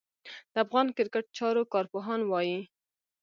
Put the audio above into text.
د افغان کرېکټ چارو کارپوهان وايي